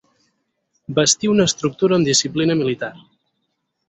Bastir una estructura amb disciplina militar.